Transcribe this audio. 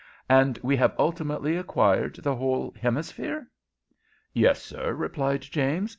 "And we have ultimately acquired the whole hemisphere?" "Yes, sir," replied James.